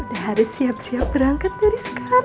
udah harus siap siap berangkat dari sekarang